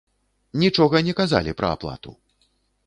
Нічога не казалі пра аплату.